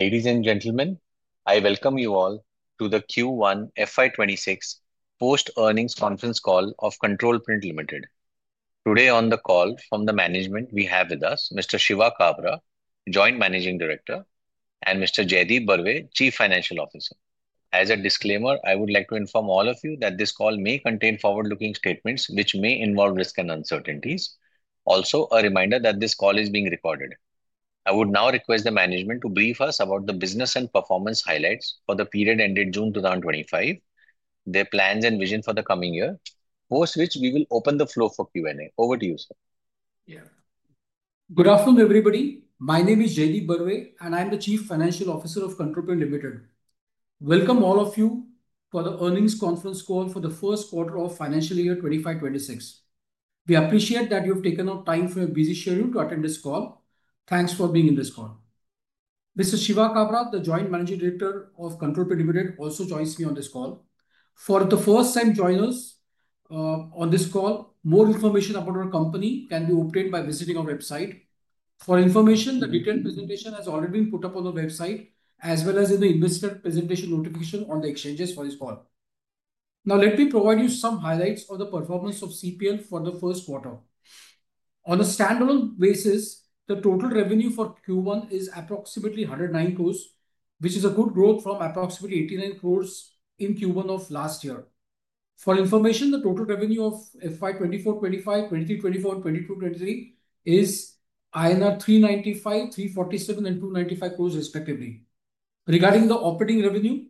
Ladies and gentlemen, I welcome you all to the Q1 FY 2026 post earnings conference call of Control Print Ltd. Today on the call from the management we have with us Mr. Shiva Kabra, Joint Managing Director, and Mr. Jaideep Barve, Chief Financial Officer. As a disclaimer, I would like to inform all of you that this call may contain forward-looking statements which may involve risk and uncertainties. Also, a reminder that this call is being recorded. I would now request the management to brief us about the business and performance highlights for the period ended June 2025, their plans and vision for the coming year. Post which we will open the floor for Q&A. Over to you, sir. Good afternoon everybody. My name is Jaideep Barve and I am the Chief Financial Officer of Control Print Ltd. Welcome all of you for the earnings conference call for the first quarter of financial year 2025-2026. We appreciate that you've taken out time from a busy schedule to attend this call. Thanks for being in this call. This is Shiva Kabra, the Joint Managing Director of Control Print, also joins me on this call for the first time. Joiners on this call, more information about our company can be obtained by visiting our website for information. The detailed presentation has already been put up on the website as well as in the investor presentation notification on the exchanges for this call. Now let me provide you some highlights of the performance of CPL for the first quarter. On a standalone basis, the total revenue for Q1 is approximately 109 crore, which is a good growth from approximately 89 crore in Q1 of last year. For information, the total revenue of FY 2024, FY 2025, FY 2023 FY 2024, and FY 2022 FY 2023 is INR 395 crore, 347 crore, and 295 crore respectively. Regarding the operating revenue,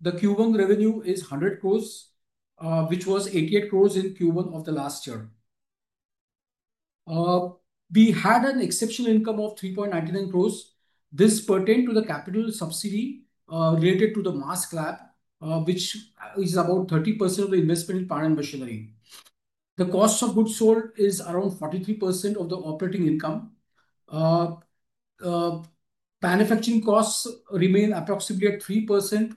the Q1 revenue is 100 crore, which was 88 crore in Q1 of the last year. We. Had an exceptional income of 3.99 crores. This pertained to the capital subsidy related to the masks and safety products, which is about 30% of the investment in plant and machinery. The cost of goods sold is around 43% of the operating income. Manufacturing costs remain approximately at 3%.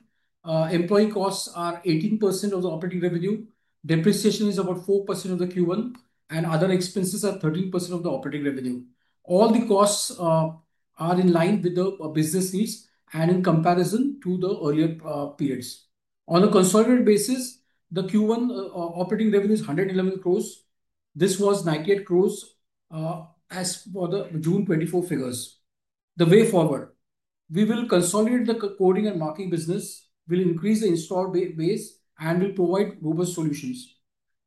Employee costs are 18% of the operating revenue. Depreciation is about 4% of the Q1 and other expenses are 13% of the operating revenue. All the costs are in line with the business needs and in comparison to the earlier periods. On a consolidated basis, the Q1 operating revenue is 111 crores. This was net 8 crores. As for the June 2024 figures, the way forward, we will consolidate the coding and marking business, will increase the install base, and will provide robust solutions.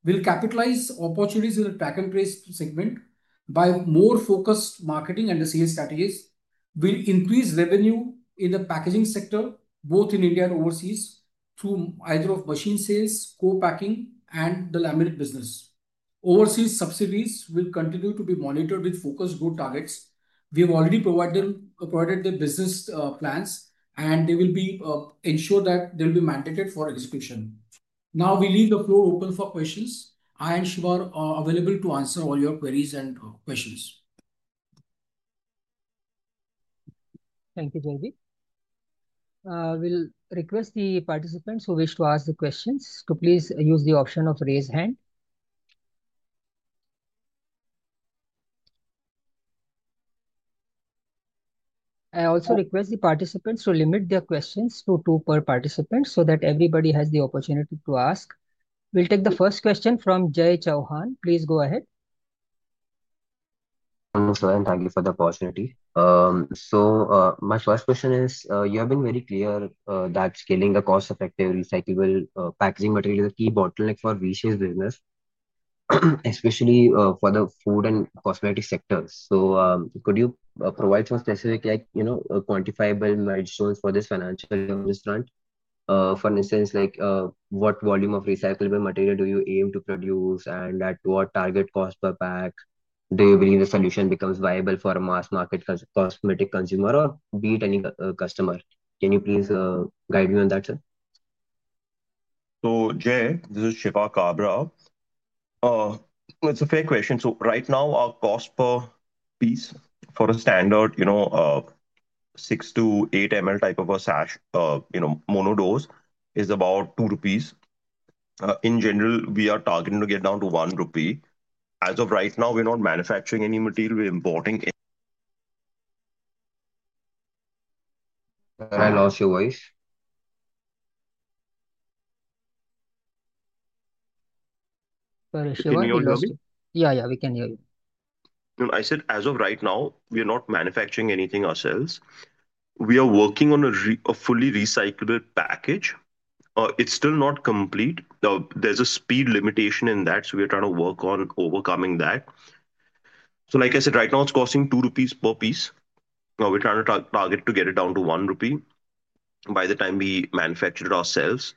We'll capitalize opportunities in the track and trace segment by more focused marketing, and the sales strategies will increase revenue in the packaging sector both in India and overseas through either of machine sales, co-packing, and the laminate business. Overseas subsidiaries will continue to be monitored with focus group targets. We have already provided the business plans and they will ensure that they'll be mandated for execution. Now we leave the floor open for questions. [Anish]. are available to answer all your queries and questions. Thank you. B will request the participants who wish to ask the questions to please use the option of raise hand. I also request the participants to limit their questions to two per participant so that everybody has the opportunity to ask. We'll take the first question from [Jay Chauhan]. Please go ahead. Thank you for the opportunity. My first question is, you have. Been very clear that scaling the cost effective fully recyclable packaging materials is a key bottleneck for V-Shapes business, especially for the. Food and hospitality sectors, could you provide some specific, you know, quantifiable milestones for this financial run. For instance, like what volume of fully recyclable packaging materials do you aim to produce, and at what target cost per package do you. You believe the solution becomes viable. A mass market cosmetic consumer or be it any customer? Can you please guide me on that, sir? Jay, this is Shiva Kabra. It's a fair question. Right now our cost per piece for a standard, you know, 6 mL-8 mL type of a sash mono dose is about 2 rupees. In general, we are targeting to get down to 1 rupee. As of right now, we're not manufacturing any material, we're importing. Can I lost your voice? Yeah, yeah, we can hear you. I said as of right now we're not manufacturing anything ourselves. We are working on a fully recyclable package. It's still not complete. There is a speed limitation in that, so we're trying to work on overcoming that. Right now it's costing 2 rupees per piece. We're trying to target to get it down to 1 rupee by the time we manufacture it ourselves.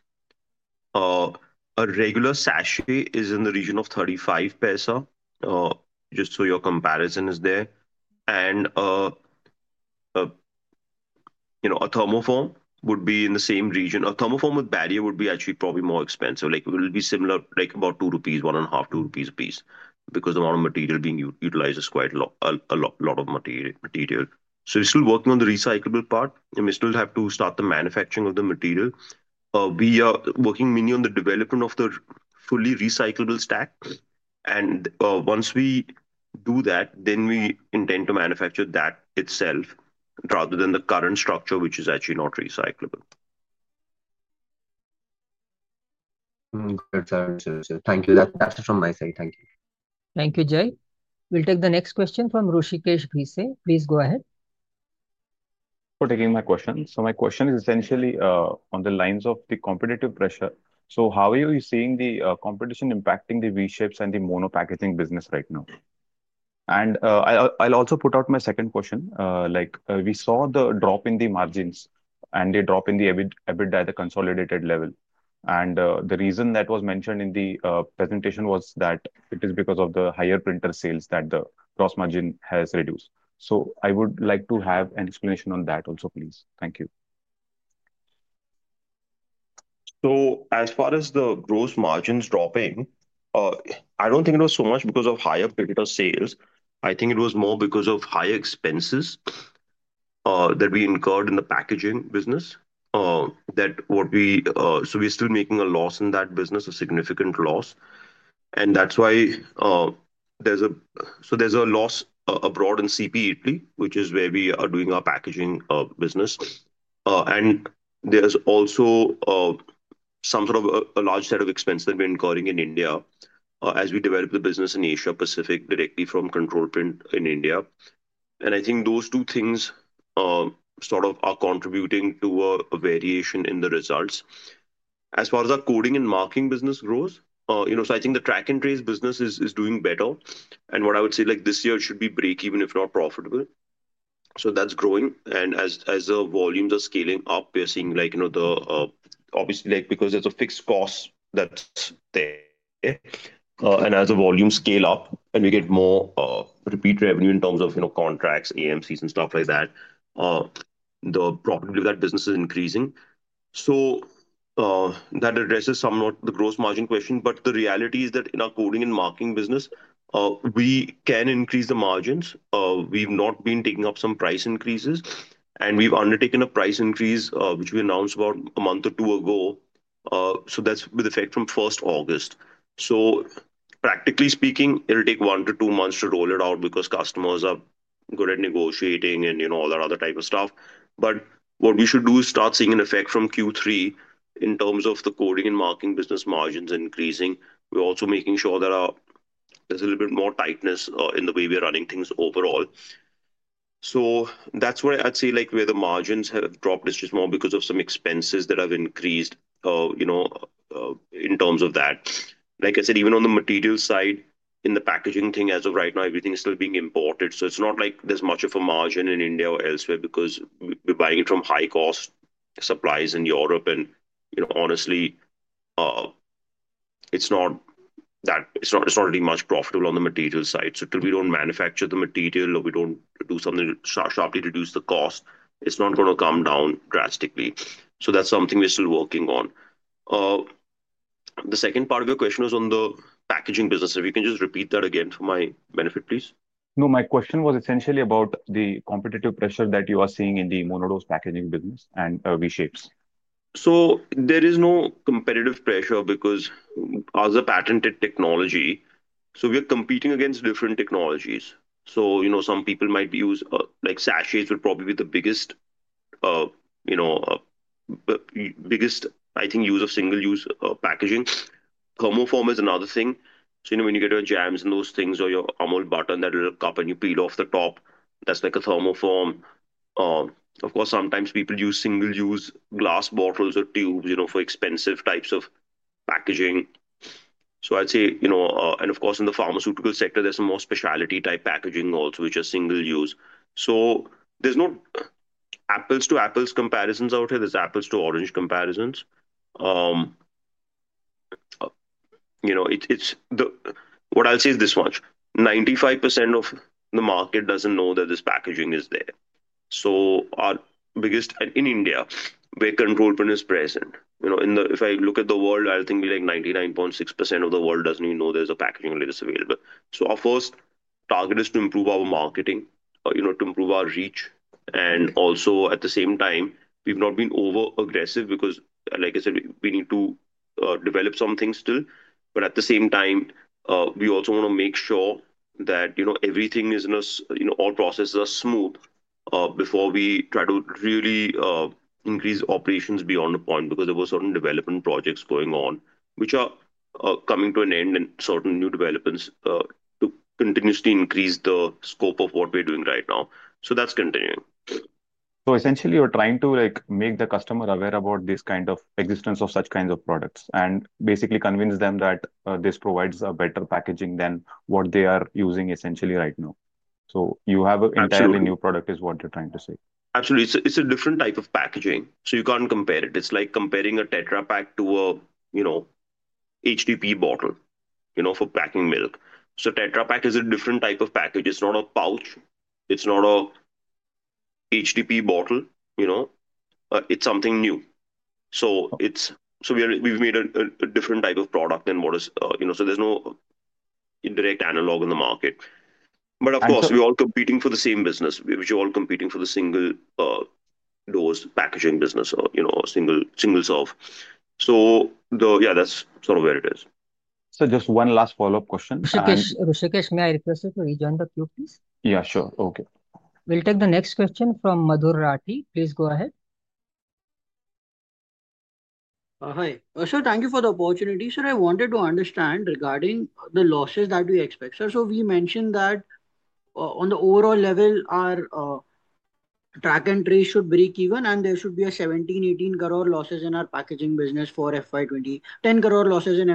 A regular sachet is in the region of 0.35, just so your comparison is there. A thermoform would be in the same region. A thermoform with barrier would actually probably be more expensive. It will be similar, like about INR 1.5 to 2 rupees a piece, because the amount of material being utilized is quite a lot, a lot of material. We're still working on the recyclable part and we still have to start the manufacturing of the material. We are working mainly on the development of the fully recyclable stack, and once we do that, then we intend to manufacture that itself rather than the current structure, which is actually not recyclable. Thank you. That's from my side. Thank you. Thank you, Jay. We'll take the next question from [Roshikesh Bise]. Please go ahead. Thank you for taking my question. My question is essentially on the lines of the competitive pressure. How are you seeing the competition impacting the V-Shapes and the mono packaging business right now? I'll also put out my second question. Like we saw the drop in the. Margins and the drop in the EBITDA at the consolidated level, the reason that was mentioned in the presentation was that it is because of the higher printer sales that the gross margin has reduced. I would like to have an explanation on that also, please. Thank you. As far as the gross margins dropping, I don't think it was so much because of higher credit or sales. I think it was more because of higher expenses that we incurred in the packaging business. We're still making a loss in that business, a significant loss. That's why there's a loss abroad in CP Italy, which is where we are doing our packaging business. There's also some sort of a large set of expenses that we're incurring in India as we develop the business in Asia Pacific directly from Control Print in India. I think those two things are contributing to a variation in the results as far as our coding and marking business grows. I think the track and trace business is doing better and what I would say is this year should be break-even if not profitable. That's growing and as the volumes are scaling up, we're seeing, obviously, because there's a fixed cost that's there and as the volumes scale up and we get more repeat revenue in terms of contracts, AMCs and stuff like that, the profitability of that business is increasing. That addresses somewhat the gross margin question. The reality is that in our coding and marking business we can increase the margins. We've not been taking up some price increases and we've undertaken a price increase which we announced about a month or two ago. That's with effect from the 1st of August. Practically speaking, it'll take one to two months to roll it out because customers are good at negotiating and all that other type of stuff. What we should do is start seeing an effect from Q3 in terms of the coding and marking business margins increasing. We're also making sure that there's a little bit more tightness in the way we are running things overall. That's where I'd say where the margins have dropped. It's just more because of some expenses that have increased. In terms of that, like I said, even on the material side in the packaging thing, as of right now, everything is still being imported. It's not like there's much of a margin in India or elsewhere because we're buying it from high-cost suppliers in Europe. Honestly, it's not really much profitable on the material side. Till we don't manufacture the material or we don't do something to sharply reduce the cost, it's not going to come down drastically. That's something we're still working on. The second part of your question was on the packaging business. If you can just repeat that again for my benefit, please. No, my question was essentially about the competitive pressure that you are seeing in the monodose packaging business and V-Shapes. There is no competitive pressure because as a patented technology, we are competing against different technologies. Some people might use sachets, which would probably be the biggest use of single use packaging. Thermoform is another thing. When you get your jams and those things or your Amul butter in that little cup and you peel off the top, that's like a thermoform. Of course, sometimes people use single use glass bottles or tubes for expensive types of packaging. I'd say, and of course in the pharmaceutical sector there's a more specialty type packaging also which is single use. There are no apples to apples comparisons out here. There are apples to orange comparisons. What I'll say is this much: 95% of the market doesn't know that this packaging is there. Our biggest in India, where Control Print is present, if I look at the world, I think like 99.6% of the world doesn't even know there's a packaging like this available. Our first target is to improve our marketing, to improve our reach. At the same time, we've not been over aggressive because, like I said, we need to develop some things still. At the same time, we also want to make sure that everything is in us, all processes are smooth before we try to really increase operations beyond the point because there were certain development projects going on which are coming to an end and certain new developments to continuously increase the scope of what we're doing right now. That's continuing. We are trying to make the customer aware about the existence of such kinds of products and basically convince them that this provides a better packaging than what they are using right now. You have an entirely new product is what you're trying to say. Absolutely. It's a different type of packaging, so you can't compare it. It's like comparing a Tetra Pak to a, you know, HDPE bottle, you know, for packing milk. Tetra Pak is a different type of package. It's not a pouch, it's not an HDPE bottle, it's something new. We've made a different type of product than what is, you know, so there's no indirect analog in the market. Of course, we're all competing for the same business, which is the single dose packaging business or, you know, single serve. That's sort of where it is. Just one last follow up question. May I request you to rejoin the queue, please? Yeah, sure. Okay, we'll take the next question from [Madhurati]. Please go ahead. Hi sir. Thank you for the opportunity. Sir, I wanted to understand regarding the losses that we expect, sir, we mentioned that on the overall level our track and trace should break even and there should be a 17 crore- 18 crore loss in our packaging business for FY 2026. Crore losses in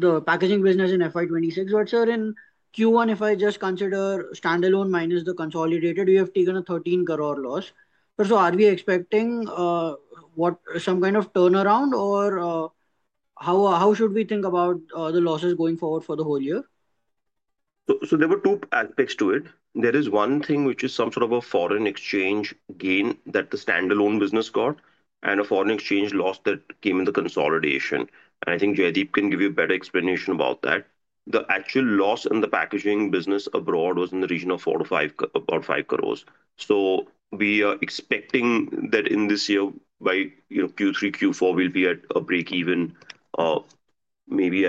the packaging business in FY 2026. Sir, in Q1, if I just consider standalone minus the consolidated, we have taken a 13 crore loss. Are we expecting some kind of turnaround or how should we think about the losses going forward for the whole year? There were two aspects to it. There is one thing which is some sort of a foreign exchange gain that the standalone business got and a foreign exchange loss that came in the consolidation. I think Jaideep can give you a better explanation about that. The actual loss in the packaging business abroad was in the region of 4 crore- 5 crore. We are expecting that in this year by Q3 or Q4 we'll be at a break-even maybe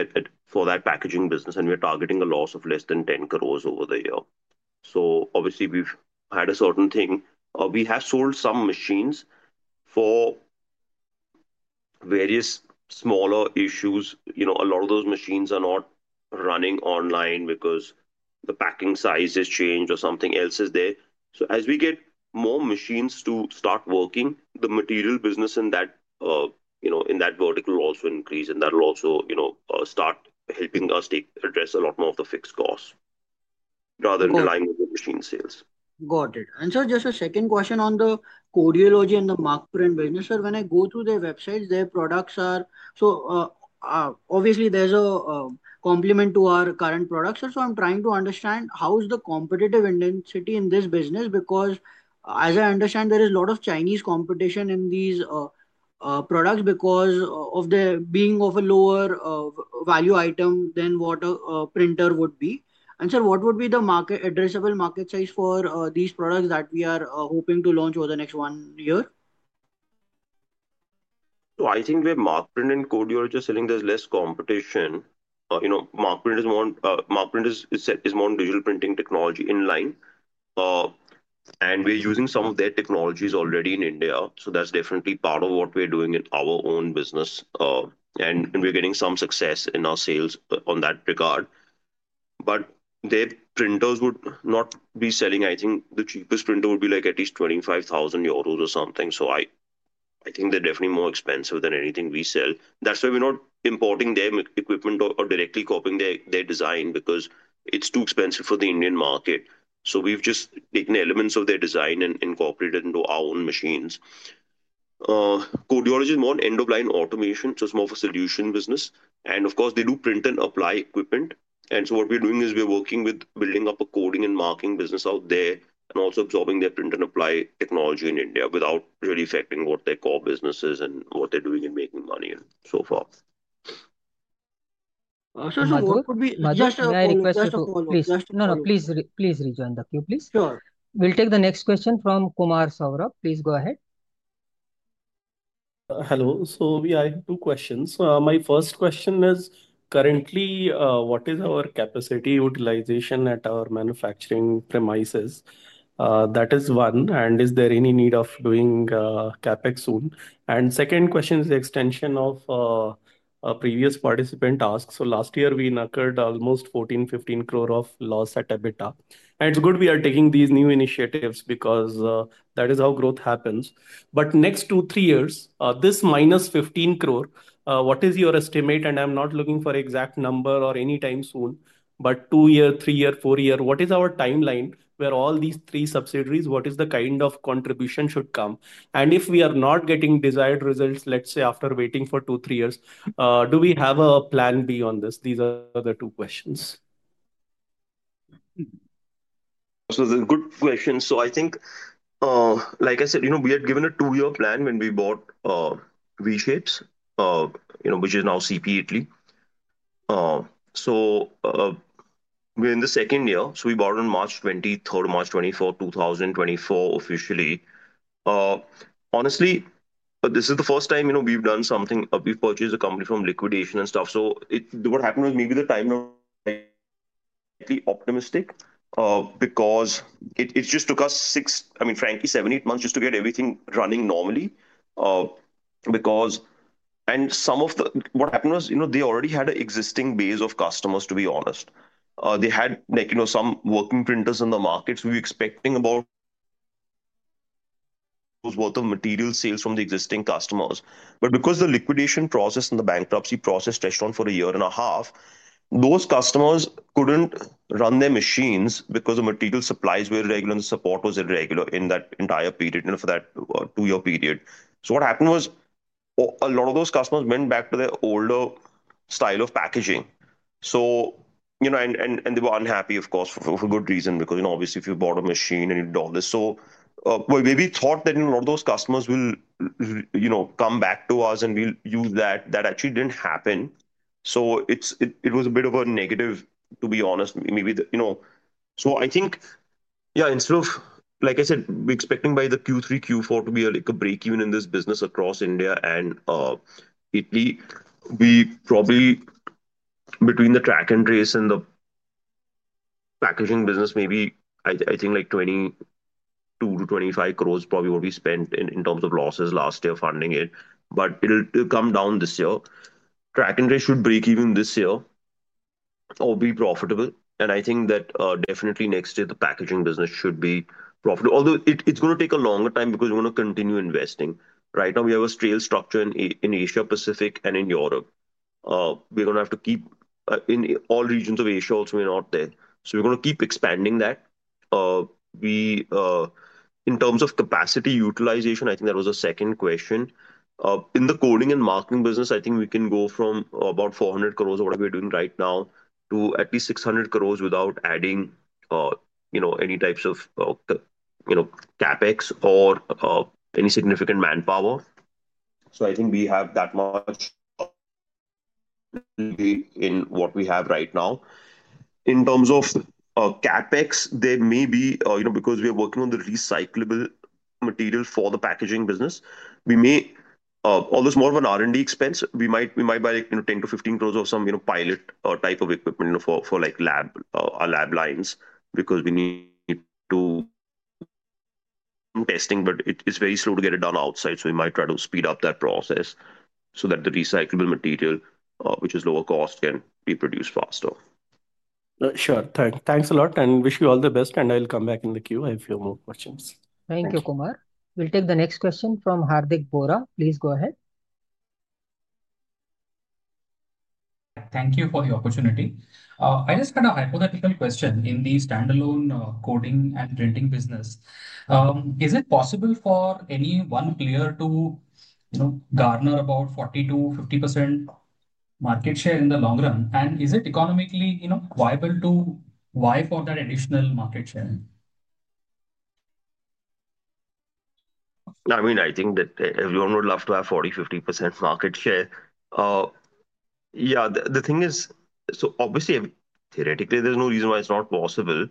for that packaging business. We're targeting a loss of less than 10 crore over the year. Obviously we've had a certain thing, we have sold some machines for various smaller issues. A lot of those machines are not running online because the packing size has changed or something else is there. As we get more machines to start working, the material business in that vertical also increases and that will also start helping us address a lot more of the fixed costs rather than machine sales. Got it. Just a second question on the Codeology and the Markprint business. When I go through their websites, their products are obviously there's a complement to our current product. I'm trying to understand how's the competitive intensity in this business because as I understand there is a lot of Chinese competition in these products because of them being a lower value item than what a printer would be. What would be the addressable market size for these products that we are hoping to launch over the next one year? I think with Markprint and Codeology you are just selling, there's less competition. You know, Markprint is more digital printing technology in line and we're using some of their technologies already in India. That's definitely part of what we're doing in our own business and we're getting some success in our sales on that regard. Their printers would not be selling. I think the cheapest printer would be at least 25,000 euros or something. They're definitely more expensive than anything we sell. That's why we're not importing their equipment or directly copying their design because it's too expensive for the Indian market. We've just taken elements of their design and incorporated into our own machines. Codeology is more end of line automation so it's more of a solution business. Of course they do print and apply equipment. What we're doing is we're working with building up a coding and marking business out there and also absorbing their print and apply technology in India without really affecting what their core business is and what they're doing and making money and so forth. No, no, please rejoin the queue, please. Sure. We'll take the next question from [Kumar Saurabh]. Please go ahead. Hello. I have two questions. My first question is currently what is our capacity utilization at our manufacturing premises? That is one, is there any. Need of doing CapEx soon? The second question is extension of a previous participant. Ask. year we knocked almost 14 crore, 15 crore of loss at EBITDA. It's good we are taking these. New initiatives, because that is how growth happens. the next two, three years, this minus 15 crore, what is your estimate? I'm not looking for an exact number or anytime soon, but two year, three year, four year, what is our timeline where all these three subsidiaries, what is the kind of contribution should come? If we are not getting desired results, let's say after waiting for two, three years, do we have a plan B on this? These are the two questions. Good question. Like I said, we had given a two-year plan when we bought V-Shapes, which is now CP Italy. We're in the second year. We bought on March 23, March 24, 2024, officially. Honestly, this is the first time we've done something like this. We purchased a company from liquidation. What happened was maybe the timing was optimistic because it just took us six, I mean frankly seven, eight months just to get everything running normally. Some of what happened was they already had an existing base of customers. To be honest, they had some working printers in the markets. We were expecting material sales from the existing customers, but because the liquidation process and the bankruptcy process dragged on for a year and a half, those customers couldn't run their machines because the material supplies were irregular and support was irregular in that entire period for that two-year period. What happened was a lot of those customers went back to their older style of packaging and they were unhappy, of course, for good reason because obviously if you bought a machine and you did all this, maybe we thought that those customers would come back to us and we'd use that, but that actually didn't happen. It was a bit of a negative, to be honest. Maybe, you know. I think, yeah, instead of, like I said, expecting by Q3 or Q4 to be at break-even in this business across India and Italy, we probably, between the track and trace and the packaging business, spent maybe 22 crores-25 crores in terms of losses last year funding it, but it'll come down this year. Track and trace should break even this year or be profitable. I think that definitely next year the packaging business should be profitable, although it's going to take a longer time because we want to continue investing. Right now we have a stale structure in Asia Pacific and in Europe. We don't have to keep in all regions of Asia; also we're not there. We're going to keep expanding that. In terms of capacity utilization, I think that was the second question. In the coding and marking business, I think we can go from about 400 crores or what we're doing right now to at least 600 crores without adding any types of CapEx or any significant manpower. I think we have that much in what we have right now in terms of CapEx. There may be, you know, because we are working on the recyclable material for the packaging business, we may almost have more of an R&D expense. We might buy, you know, 10 to 15 crore of some, you know, pilot or type of equipment for, like, lab. Our lab lines, because we need to do testing. It's very slow to get it done outside. We might try to speed up that process so that the recyclable material, which is lower cost, can be produced faster. Sure. Thanks a lot and wish you all. the best, and I'll come back in the queue. I have a few more questions. Thank you, Kumar. We'll take the next question from [Hardik Bohra]. Please go ahead. Thank you for the opportunity. I just got a hypothetical question. In the standalone coding and printing business, is it possible for any one player to, you know, garner about 40%-50% market share in the long run, and is it economically, you know, viable to vie for that additional market share? I mean, I think that everyone would love to have 40%, 50% market share. The thing is, obviously theoretically there's no reason why it's not possible.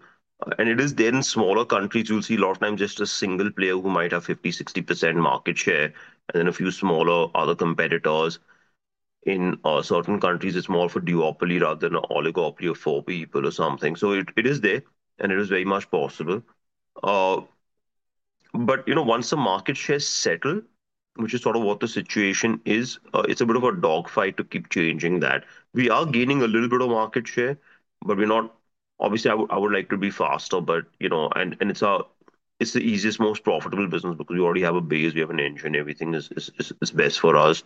It is there in smaller countries; you'll see a lot of times just a single player who might have 50%, 60% market share and then a few smaller other competitors. In certain countries it's more of a duopoly rather than an oligopoly of four people or something. It is there and it is very much possible. Once the market shares settle, which is sort of what the situation is, it's a bit of a dog fight to keep changing that. We are gaining a little bit of market share, but we're not, obviously I would like to be faster, but you know, it's the easiest, most profitable business because we already have a base, we have an engine, everything is best for us.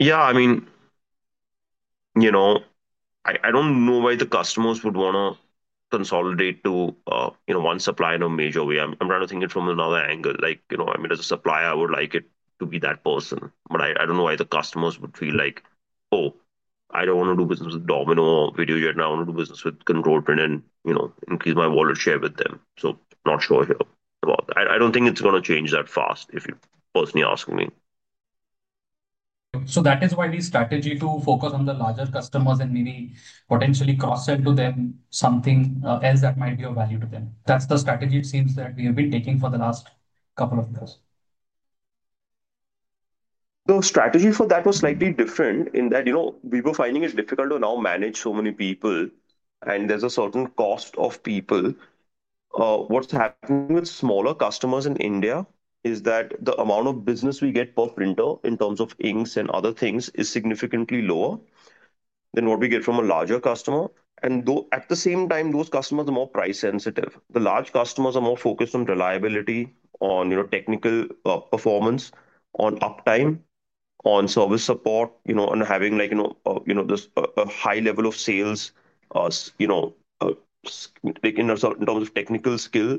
I mean, I don't know why the customers would want to consolidate to one supplier in a major way. I'm trying to think of it from another angle, like, as a supplier I would like it to be that person. I don't know why the customers would feel like, oh, I don't want to do business with Domino now I want to do business with Control Print and increase my wallet share with them. Not sure here about that. I don't think it's going to change that fast if you personally ask me. That is why we strategy to focus on the larger customers and maybe potentially cross sell to them something else that might be of value to them. That's the strategy it seems that we have been taking for the last couple of years. The strategy for that was slightly different in that, you know, we were finding it's difficult to now manage so many people, and there's a certain cost of people. What's happening with smaller customers in India is that the amount of business we get per printer in terms of inks and other things is significantly lower than what we get from a larger customer. At the same time, those customers are more price sensitive. The large customers are more focused on reliability, on technical performance, on uptime, on service support, and having a high level of sales in terms of technical skill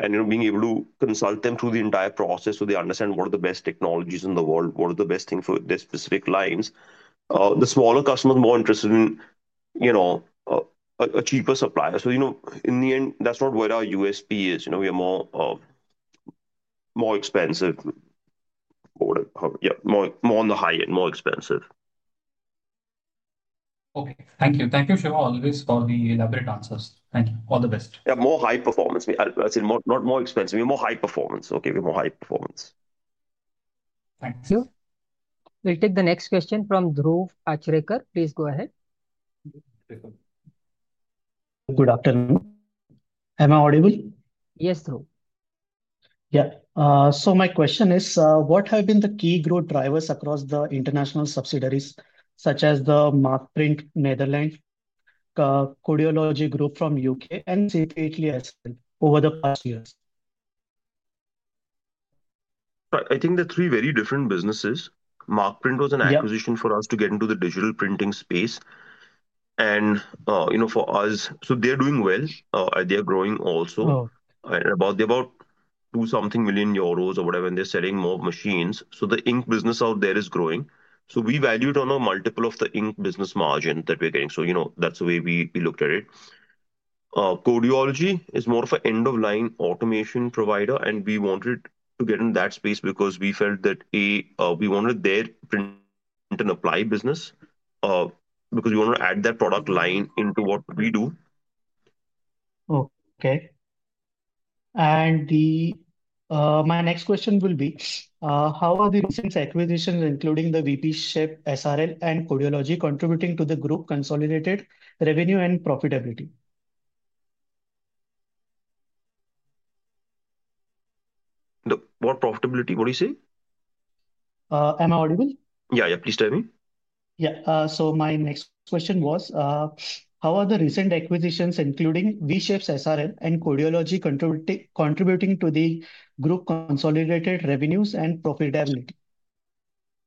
and being able to consult them through the entire process so they understand what are the best technologies in the world, what are the best things for their specific lines. The smaller customers are more interested in a cheaper supplier. In the end, that's not where our USP is. We are more, more expensive. More on the high end, more expensive. Okay, thank you. Thank you, Shiva, always for the elaborate answers. Thank you. All the best. More high performance, not more expensive. More high performance. Okay, we're more high performance. Thank you. We'll take the next question from Dhruv Achrekar. Please go ahead. Good afternoon. Am I audible? Yes, Dhruv, y Yeah. My question is what have been the key growth drivers across the international subsidiaries such as Markprint Netherlands, Codeology Group from U.K., and CP Italy over the past years? I think the three very different businesses. Markprint was an acquisition for us to get into the digital printing space, and you know, for us. They're doing well, they're growing also, about 2 million euros or whatever, and they're selling more machines. The ink business out there is growing. We valued on a multiple of the ink business margin that we're getting. That's the way we looked at it. Codeology is more of an end of line automation provider, and we wanted to get in that space because we felt that we wanted their print and apply business because you want to add that product line into what we do. Okay. My next question will be how are the recent acquisitions, including the V-Shapes, CP Italy, and Codeology, contributing to the group consolidated revenue and profitability? What profitability? What do you say? Am I audible? Yeah, yeah, please tell me. Yeah, my next question was, how are the recent acquisitions, including V-Shapes, SRL, and Codeology, contributing to the group consolidated revenues and profitability?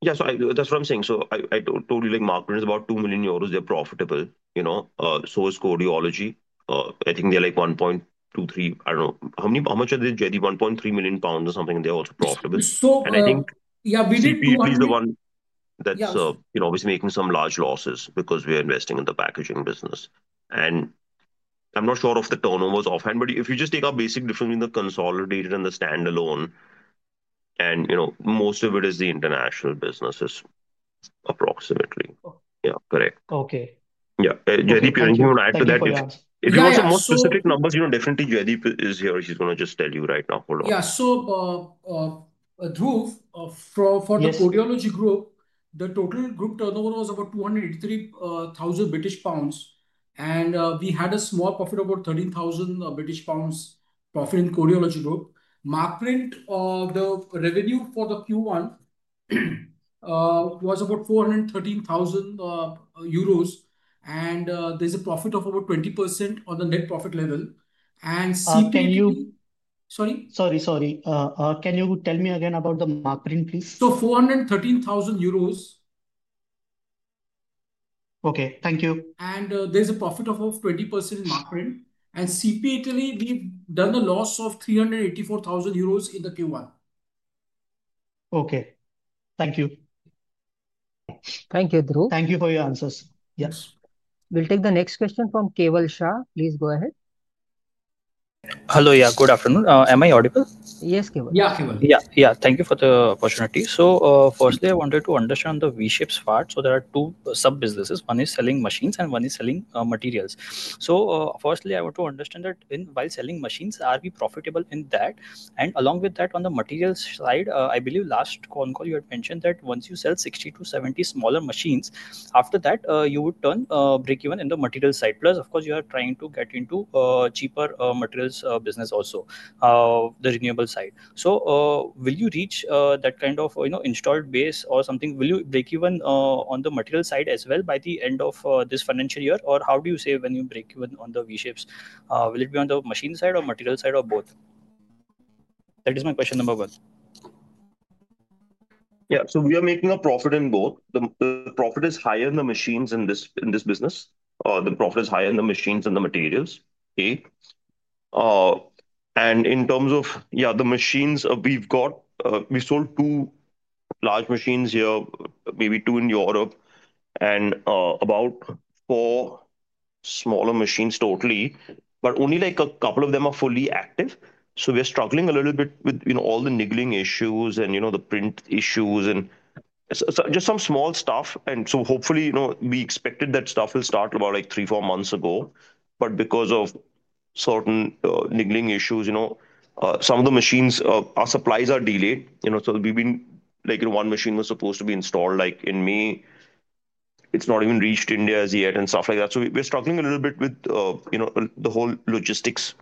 Yeah, that's what I'm saying. Marketing is about 2 million euros. They're profitable, you know, so is Codeology. I think they're like 1.23 million. I don't know how much are they, Jaideep, 1.3 million pounds or something. They're also profitable. I think, yeah, we're making some large losses because we are investing in the packaging business. I'm not sure of the turnovers offhand, but if you just take a basic difference between the consolidated and the standalone, most of it is the international businesses. Approximately. Yeah, correct. Okay. Yeah. If you want some more specific numbers. You know, definitely Jaideep is here. She's going to just tell you right now. Hold on. Yeah, so, Dhruv, for the Codeology Group, the total group turnover was about 283,000 British pounds. We had a small profit, about 13,000 British pounds profit. Korea, Markprint BV. The revenue for the Q1 was about 413,000 euros and there's a profit of about 20% on the net profit level. Can you. Sorry. Can you tell me again about the marketing, please? 413,000 euros. Okay, thank you. There's a profit of 20% in marketing, and CP Italy, we've done a loss of 384,000 euros in Q1. Okay, thank you. Thank you, Dhruv. Thank you for your answers. Yes, we'll take the next question from Keval Shah. Please go ahead. Hello? Yeah, good afternoon. Am I audible? Yes. Yeah, yeah. Thank you for the opportunity. Firstly, I wanted to understand the V-Shapes part. There are two sub businesses. One is selling machines and one is selling materials. I want to understand that in while selling machines, are we profitable in that. Along with that, on the materials side, I believe last con call you had mentioned that once you sell 60-70 smaller machines, after that you would turn break-even in the material side. Plus, of course, you are trying to get into cheaper materials business, also the renewable side. Will you reach that kind of, you know, installed base or something? Will you break even on the material side as well by the end of this financial year or how do you say, when you break even with, on the V-Shapes, will it be on the machine side or material side or both? That is my question number one. Yeah, so we are making a profit in both. The profit is higher in the machines in this business, the profit is higher in the machines and the materials. In terms of the machines, we've got, we sold two large machines here, maybe two in Europe and about four smaller machines totally. Only a couple of them are fully active. We're struggling a little bit with all the niggling issues and the print issues and just some small stuff. Hopefully, we expected that stuff will start about three, four months ago. Because of certain niggling issues, some of the machines, our supplies are delayed. We've been, like one machine was supposed to be installed in May, it's not even reached India as yet and stuff like that. We're struggling a little bit with the whole logistics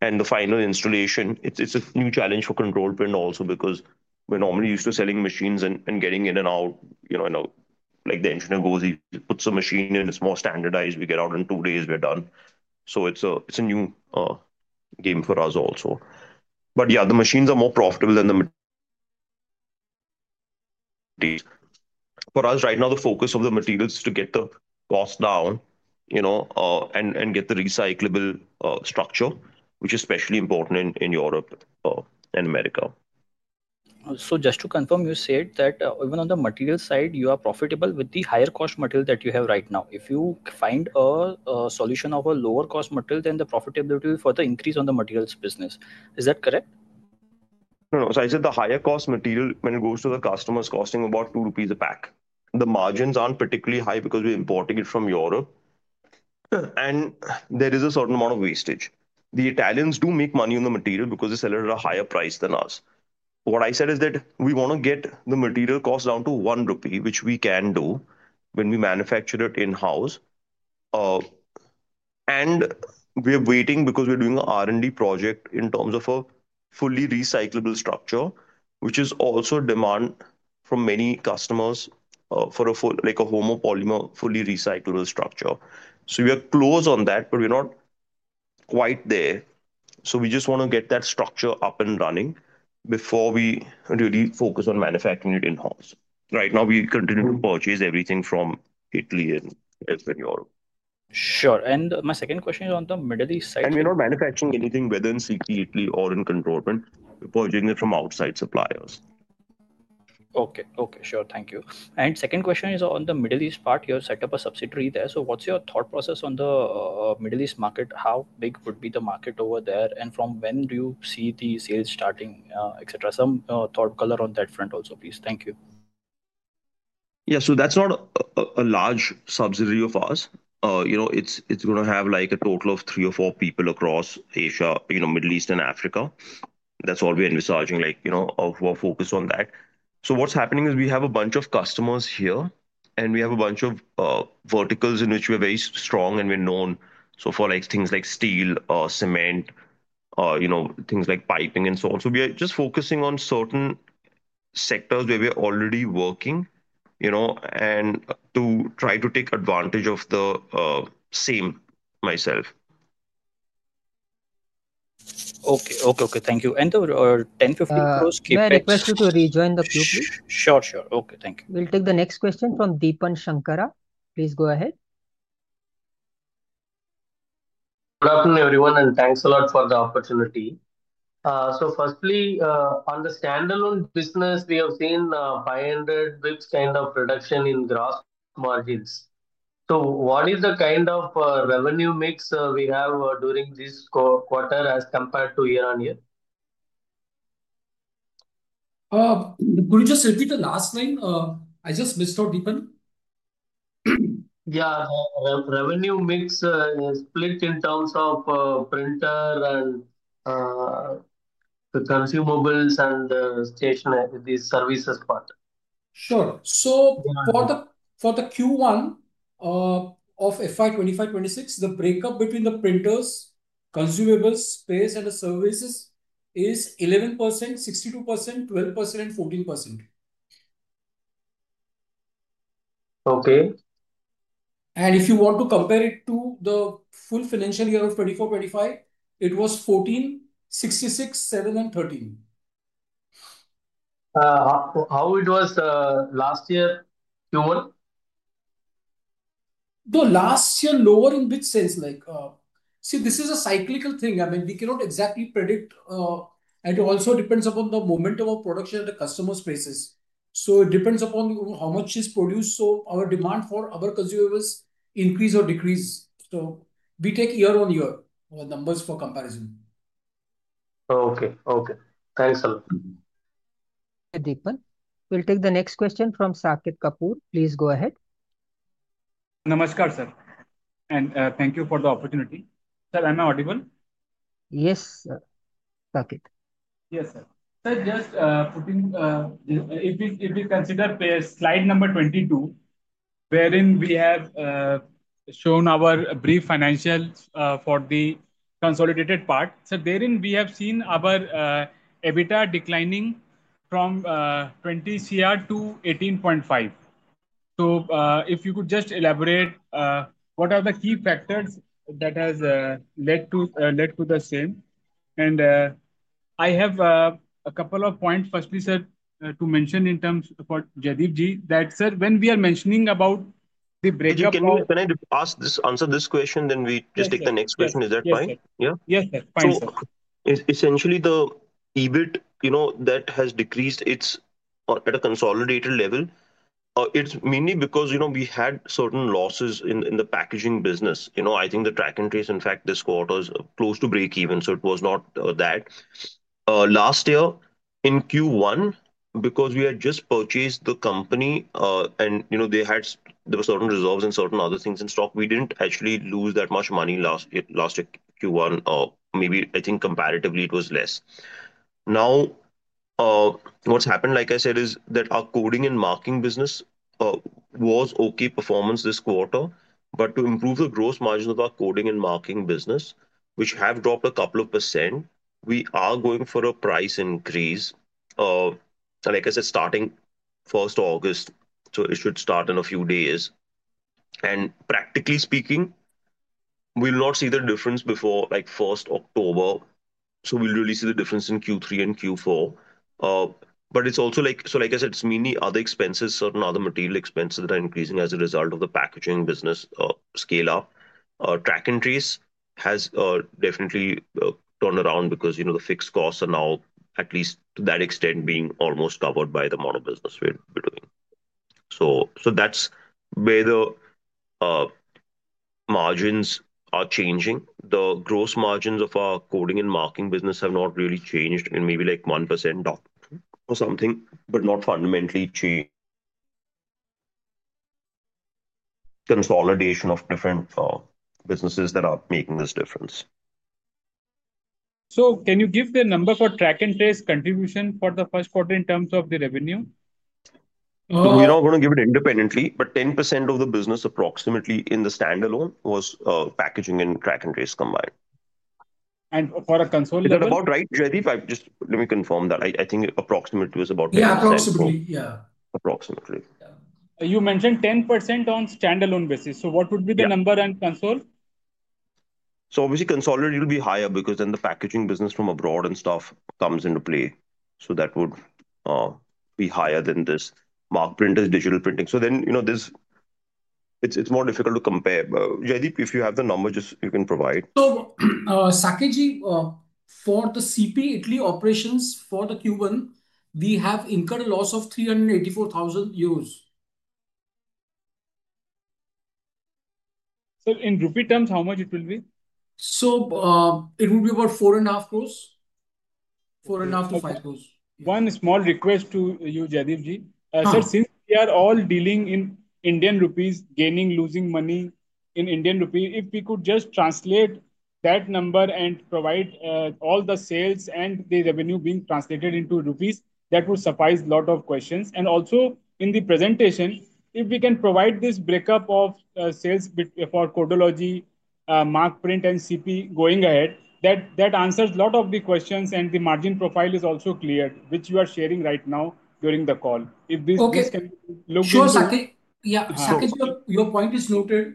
and the final installation. It's a new challenge for Control Print Ltd also because we're normally used to selling machines and getting in and out. The engineer goes, he puts a machine in, it's more standardized, we get out in two days, we're done. It's a new game for us also. The machines are more profitable than the, for us right now, the focus of the materials is to get the cost down and get the recyclable structure, which is especially important in Europe and America. Just to confirm, you said that even on the material side you are profitable with the higher cost material that you have right now. If you find a solution of a lower cost material, then the profitability for the increase on the materials business, is that correct? No. The higher cost material, when it goes to the customers costing about 2 rupees a pack, the margins aren't particularly high because we're importing it from Europe, and there is a certain amount of wastage. The Italians do make money on the material because they sell it at a higher price than us. What I said is that we want to get the material cost down to 1 rupee, which we can do when we manufacture it in house. We are waiting because we're doing an R&D project in terms of a fully recyclable structure, which is also a demand from many customers for a full, like a Homo polymer, fully recyclable structure. We are close on that, but we're not quite there. We just want to get that structure up and running before we really focus on manufacturing it in house. Right now, we continue to purchase everything from Italian, as in Europe. Sure, my second question is on the Middle East side. We're not manufacturing. Anything, whether in secretly or in control, purging it from outside suppliers. Okay? Okay, sure. Thank you. Second question is on the Middle East part. You have set up a subsidiary there. What's your thought process on the Middle East market? How big could be the market over there and from when do you see the sales starting, etc.? Some thought color on that front also, please. Thank you. Yeah, so that's not a large subsidiary of ours. It's going to have like a total of three or four people across Asia, Middle East, and Africa. That's all we're envisaging. Focus on that. What's happening is we have a bunch of customers here and we have a bunch of verticals in which we're very strong and we're known for things like steel, cement, things like piping, and so on. We are just focusing on certain sectors where we're already working to try to take advantage of the same myself. Okay, okay. Okay, thank you. At 10:15 A.M., May I request you to rejoin the queue please? Sure, sure. Okay, thank you. We'll take the next question from Deepan Sankara. Please go ahead. Good afternoon everyone and thanks a lot for the opportunity. Firstly, on the standalone business, we have seen 500 bps kind of reduction in gross margins. What is the kind of revenue mix we have during this quarter as compared to year on year? Could you just repeat the last thing I just missed out, Deepan? Yeah. Revenue mix split in terms of printer and the consumables and stationary, these services. Sure. For the Q1 of FY 2025- FY 2026, the breakup between the printers, consumables, spares and the services is 11%, 62%, 12% and 14%. Okay. If you want to compare it to the full financial year of 2024-2025, it was 14%, 66%, 7% and 13%. How was it last year? Lower. The last year lower. In which sense? This is a cyclical thing. We cannot exactly predict. It also depends upon the momentum of our production at the customer's basis. It depends upon how much is produced, so our demand for our consumables increases or decreases. We take year on year numbers for comparison. Okay, thanks a lot. We'll take the next question from Saket Kapoor. Please go ahead. Namaskar sir, and thank you for the opportunity. Sir, am I audible? Yes, yes sir. Just putting, if we consider per slide number 22 wherein we have shown our brief financials for the consolidated part, we have seen our EBITDA declining from 20 crore to 18.5 crore. If you could just elaborate what are the key factors that has led to the same and I have a couple of points. Firstly, sir, to mention in terms for Jaideep ji, when we are mentioning about the bridge, can I ask. Answer this question, then we just take the next question. Is that fine? Yeah. Yes. Essentially the EBIT, you know that has decreased at a consolidated level. It's mainly because we had certain losses in the packaging business. I think the track and trace in fact this quarter is close to break-even. It was not that last year in Q1 because we had just purchased the company and there were certain reserves and certain other things in stock. We didn't actually lose that much money last Q1 or maybe I think comparatively it was less. Now what's happened like I said is that our coding and marking business was okay performance this quarter. To improve the gross margin of our coding and marking business, which have dropped a couple of percent, we are going for a price increase like I said, starting the first of August so it should start in a few days. Practically speaking we'll not see the difference before like first October so we'll really see the difference in Q3 and Q4. It's also like I said it's many other expenses, certain other material expenses that are increasing as a result of the packaging business scale up. Track and trace has definitely turned around because the fixed costs are now at least to that extent being almost covered by the model business we're doing. That's where the margins are changing. The gross margins of our coding and marking business have not really changed in maybe like 1% or something but not fundamentally changed. Consolidation of different businesses is making this difference. Can you give the number for track and trace contribution for the first quarter in terms of the revenue? We're not going to give it independently, but 10% of the business approximately in the standalone was packaging and track and trace. trace combined And for our consolidation. Right, let me confirm that. I think approximately is about. Yeah, approximately. You mentioned 10% on standalone basis. What would be the number and consolidated? Obviously, consolidated will be higher because then the packaging business from abroad and stuff comes into play. That would be higher than this Markprint digital printing. You know this. It's more difficult to compare. Jaideep, if you have the number, just. You can provide some sake for the CP Italy operations for the Q1. We have incurred a loss of 384,000 euros. In rupee terms, how much will it be? It will be about 4.5 crores, 4.5 crores-5 crores. One small request to you, Jaideepji. Since we are all dealing in Indian rupees, gaining or losing money in Indian rupee, if we could just translate that number and provide all the sales and the revenue being translated into rupees, that would surprise a lot of questions. Also, in the presentation, if we can provide this breakup of sales for Codeology, Markprint, and CP going ahead, that answers a lot of the questions. The margin profile is also clear, which you are sharing right now during the call. If these can look. Yeah, Your point is noted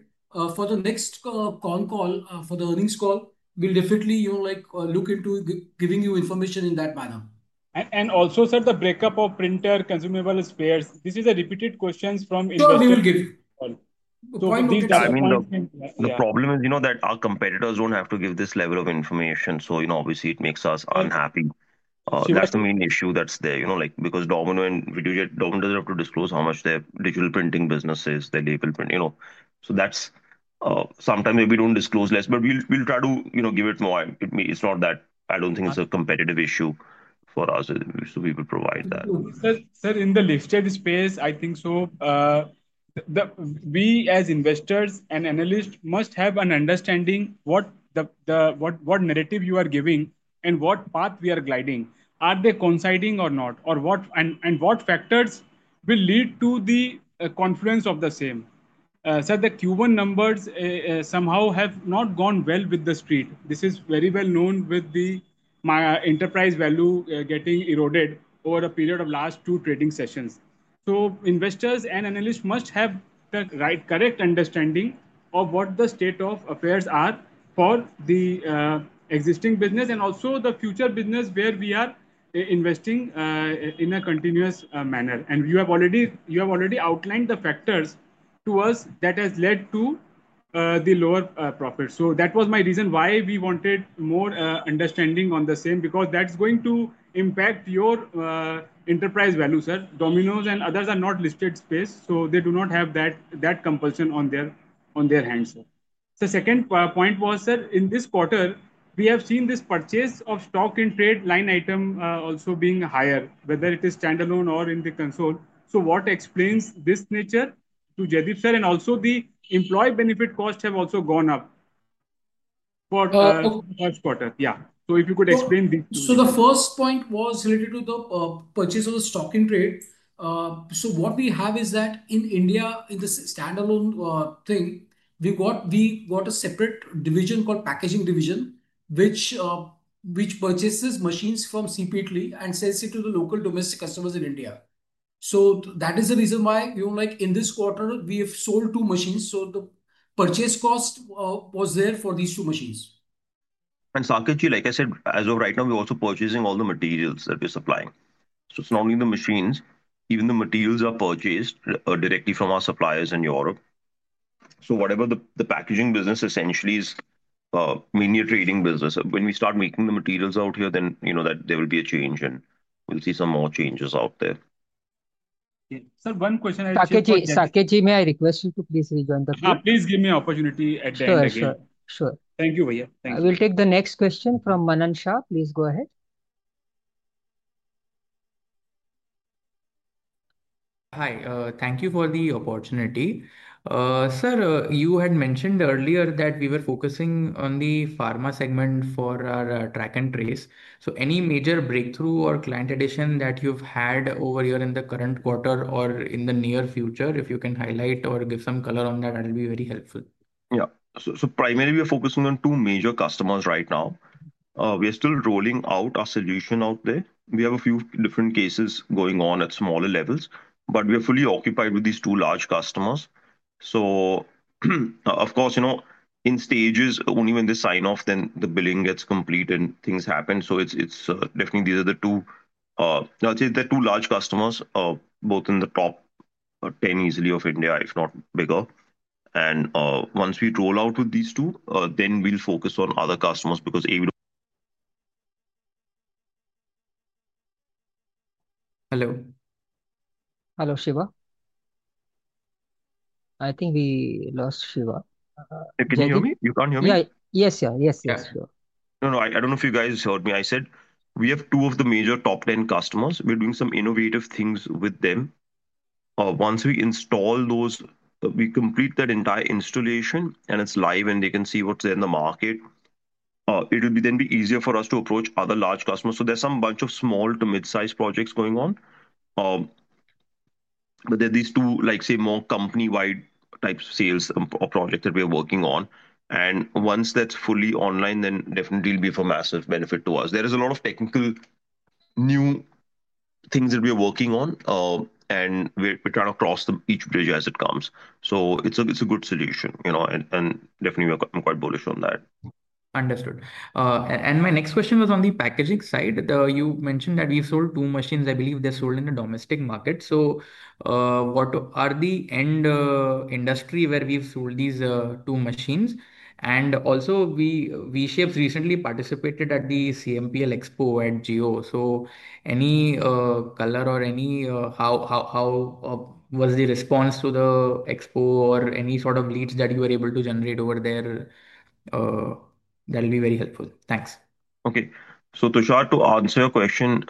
for the next con call, for the earnings call. We'll definitely look into giving you information in that manner. Also, sir, the breakup of printer consumable players. This is a repeated question from. The problem is, you know that our competitors don't have to give this level of information. Obviously, it makes us unhappy. That's the main issue that's there, you know, like because Domino doesn't have to disclose how much their digital printing business is, their vehicle print, you know, so sometimes maybe they disclose less, but we'll try to give it more. It's not that I don't think it's a competitive issue for us. We would provide that, sir. The listed space, I think as investors and analysts must have an understanding of what narrative you are giving and what path we are gliding. Are they coinciding or not, and what factors will lead to the confluence of the same. Sir, the Q1 numbers somehow have not gone well with the Street. This is very well known with my enterprise value getting eroded over a period of the last two trading sessions. Investors and analysts must have the correct understanding of what the state of affairs are for the existing business and also the future business where we are investing in a continuous manner, and you have already outlined the factors to us that have led to the lower profits. That was my reason why we wanted more understanding on the same because that's going to impact your enterprise value. Sir, Domino's and others are not in the listed space, so they do not have that compulsion on their hands. The second point was that in this quarter we have seen this purchase of stock-in-trade line item also being higher, whether it is standalone or in the consolidated. What explains this nature to Jaideep, sir? Also, the employee benefit cost has also gone up for the first quarter. If you could explain this. The first point was related to the purchase of the stock-in-trade. What we have is that in India, in this standalone thing, we've got a separate division called packaging division which purchases machines from CP Italy and sends it to the local domestic customers in India. That is the reason why, in this quarter, we have sold two machines. The purchase cost was there for these two machines. Saketji, like I said, as of right now we're also purchasing all the materials that we're supplying. It's not only the machines, even the materials are purchased directly from our suppliers in Europe. Whatever the packaging business essentially is, mainly a trading business. When we start making the materials out here, then you know that there will be a change and we'll see some more changes out there. Sir, one question. May I request you to please rejoin the queue? Please give me opportunity at the end. Sure. Thank you. I will take the next question from [Manan Shah]. Please go ahead. Hi. Thank you for the opportunity. Sir, you had mentioned earlier that we were focusing on the pharma segment for our track and trace. Any major breakthrough or client addition that you've had over here in the current quarter or in the near future, if you can highlight or give some color on that, that will be very helpful. Yeah. Primarily we are focusing on two major customers right now. We are still rolling out our solution out there. We have a few different cases going on at smaller levels, but we are fully occupied with these two large customers. Of course, in stages only when they sign off, then the billing gets complete and things happen. These are the two, I would say, the two large customers, both in the top 10 easily of India, if not bigger. Once we roll out with these two, then we'll focus on other customers because. Hello, Shiva, I think we lost you. Shiva, can you hear me? You can't hear me? Yes. Yeah. Yes, yes. No, no. I don't know if you guys heard me. I said we have two of the major top 10 customers. We're doing some innovative things with them. Once we install those, we complete that entire installation and it's live and they can see what's in the market. It will then be easier for us to approach other large customers. There are a bunch of small to mid-sized projects going on, but then these two, like say, more company-wide type sales projects that we're working on, and once that's fully online, then definitely will be of a massive benefit to us. There is a lot of technical new things that we're working on, and we're trying to cross each bridge as it comes. It's a good solution, you know, and definitely I'm quite bullish on that. Understood. My next question was on the packaging side. You mentioned that we've sold two machines. I believe they're sold in the domestic market. What are the end industries where we've sold these two machines? Also, we, V-Shapes, recently participated at the CMPL Expo at Jio. Any color or any, how was the response to the expo or any sort of leads that you were able to generate over there? That'll be very helpful, thanks. Okay, so Tushar, to answer your question,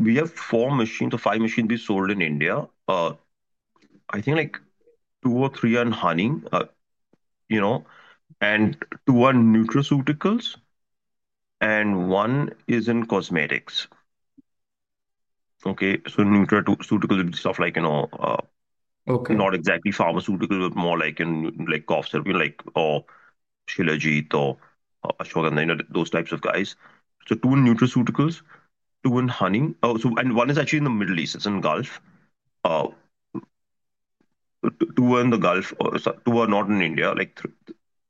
we have four machines or five machines we sold in India. I think like two or three are honey, you know, and two are nutraceuticals and one is in cosmetics. Nutraceutical stuff like, you know, not exactly pharmaceutical but more like in, like cough symptom, like those types of guys. Two nutraceuticals, two in honey, and one is actually in the Middle East. It's in Gulf. Two in the Gulf. Two are not in India.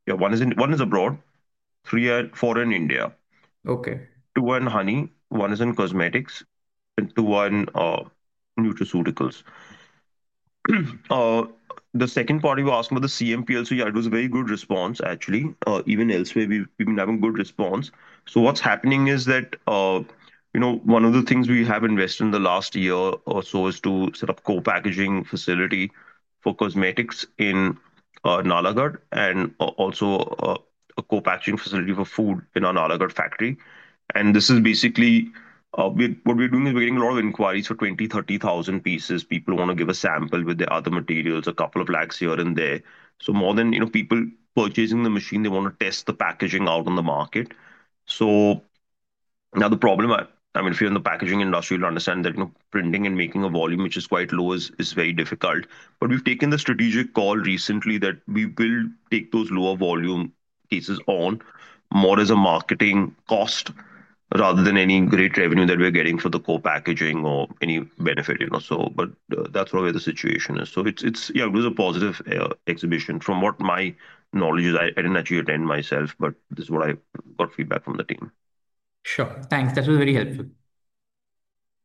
One is abroad, three are, four in India. Okay. Two are in honey, one is in cosmetics, and two are in nutraceuticals. The second part you asked about the CMPLC. It was a very good response actually. Even elsewhere we've been having good response. What's happening is that one of the things we have invested in the last year or so is to set up co-packaging facility for cosmetics in Nalagarh and also a co-packaging facility for food in our Nalagarh factory. Basically, what we're doing is we're getting a lot of inquiries for 20,000, 30,000 pieces. People want to give a sample with the other materials. A couple of lags here and there. More than people purchasing the machine, they want to test the packaging out on the market. Now, the problem, if you're in the packaging industry, you'll understand that printing and making a volume which is quite low is very difficult. We've taken the strategic call recently that we will take those lower volume pieces on more as a marketing cost rather than any great revenue that we're getting for the co-packaging or any benefit. That's probably the situation. It was a positive exhibition from what my knowledge is. I didn't actually attend myself, but this is what I got feedback from the team. Sure, thanks. That was very helpful.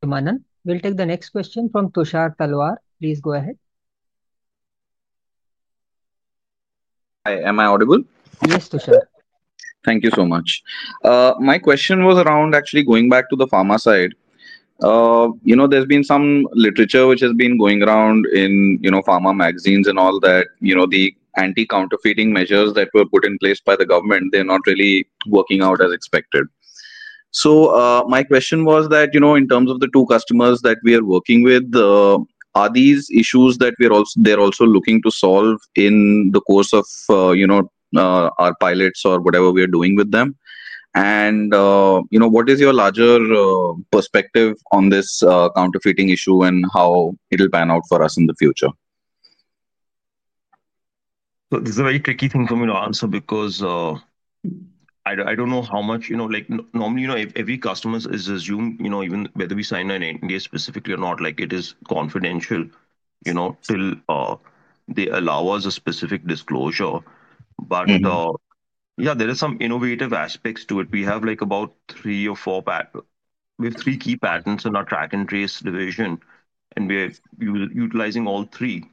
We'll take the next question from Tushar Talwara. Please go ahead. Hi. Am I audible? Yes, Tushar, Thank you so much. My question was around actually going back to the pharma side, you know, there's been some literature which has been going around in, you know, pharma magazines and all that. You know, the anti-counterfeiting measures that were put in place by the government, they're not really working out as expected. My question was that, you know, in terms of the two customers that we are working with, are these issues that we are also, they're also looking to solve in the course of, you know, our pilots or whatever we are doing with them. You know, what is your larger perspective on this counterfeiting issue and how it'll pan out for us in the future? This is a very tricky thing for me to answer because I don't know how much, you know, like normally, you know, every customer is assumed, you know, even whether we sign an NDA specifically or not, like it is confidential till they allow us a specific disclosure. Yeah, there are some innovative aspects to it. We have about three or four patents. We have three key patents in our track and trace division and we're utilizing all three